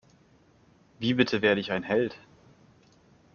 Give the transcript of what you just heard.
Wie bitte werde ich ein Held?